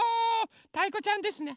たいこちゃんですね。